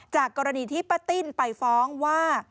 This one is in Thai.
จากกรณีที่ป้าติ้นไปฟ้องว่า